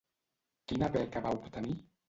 Quina beca va obtenir?